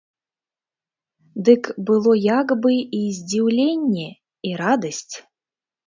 Дык было як бы і здзіўленне і радасць.